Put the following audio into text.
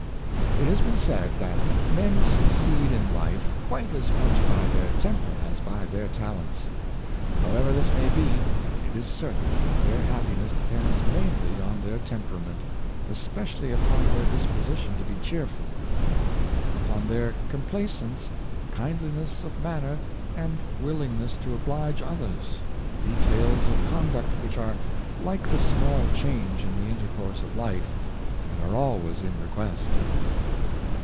It has been said that men succeed in life quite as much by their temper as by their talents. However this may be, it is certain that their happiness depends mainly on their temperament, especially upon their dis position to be cheerful; upon their complaisance, kind liness of manner, and willingness to oblige others — de tails of conduct which are like the small change in the intercourse of life, and are always in request.